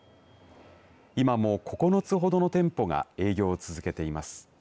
今も９つほどの店舗が営業を続けています。